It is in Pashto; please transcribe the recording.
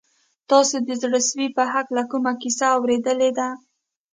تاسو د زړه سوي په هکله کومه کیسه اورېدلې ده؟